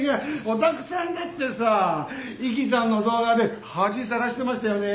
お宅さんだってさ壱岐さんの動画で恥さらしてましたよね？